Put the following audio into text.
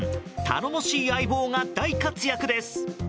頼もしい相棒が大活躍です。